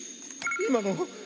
今の。